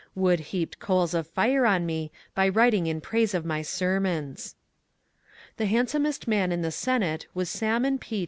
Wood heaped coals of fire on me by writing in praise of my sermons. The handsomest man in the Senate was Salmon P.